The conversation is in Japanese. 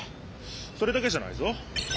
それだけじゃないぞ。